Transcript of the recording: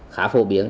khá phổ biến